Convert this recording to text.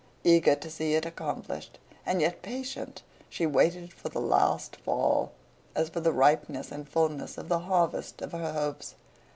Eager to see it accomplished, and yet patient, she waited for the last fall, as for the ripeness and fulness of the harvest of her hopes.